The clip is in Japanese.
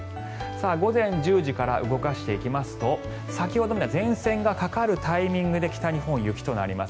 午前１０時から動かしていきますと北日本では前線がかかるタイミングで北日本、雪となります。